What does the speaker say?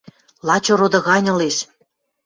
Лач ороды гань ылеш.